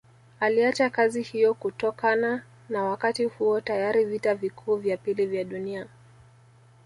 Aliacha kazi hiyo kutokana na Wakati huo tayari vita vikuu vya pili vya dunia